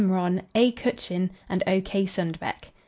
Rönne, A. Kutschin and O. K. Sundbeck.